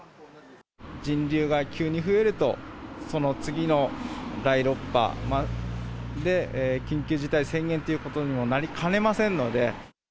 人流が急に増えると、その次の第６波で、緊急事態宣言ということにもなりかねませんので。